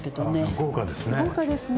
豪華ですね。